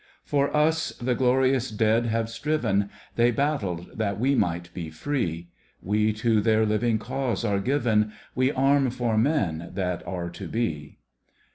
For us the glorious dead have striven, They battled that we might be free. We to their living cause are given ; We arm for men that are to be.